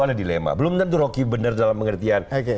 ada dilema belum tentu rocky benar dalam pengertian